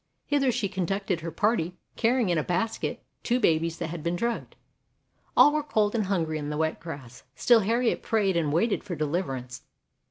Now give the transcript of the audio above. Hither she conducted her party, carrying in a basket two babies that had been drugged. All were cold and hungry in the wet grass; still Harriet prayed and waited for deliver ance.